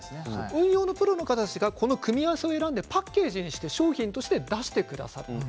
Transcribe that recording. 運用のプロの方たちが組み合わせを選んでパッケージにして、商品として出してくださっている。